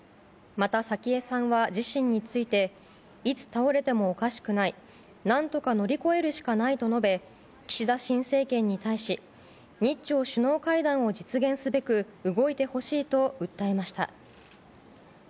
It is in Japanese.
また、早紀江さんは自身についていつ倒れてもおかしくない何とか乗り越えるしかないと述べ岸田新政権に対し日朝首脳会談を実現すべく動いてほしいと訴えました。